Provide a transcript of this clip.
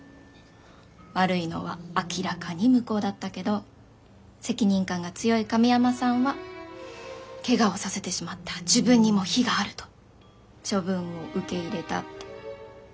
悪いのは明らかに向こうだったけど責任感が強い神山さんはケガをさせてしまった自分にも非があると処分を受け入れたって。